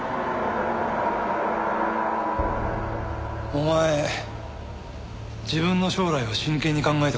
お前自分の将来を真剣に考えた事あるの？